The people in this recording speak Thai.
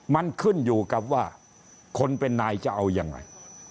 มันขึ้นอยู่กับว่าคนเป็นนายจะเอายังไง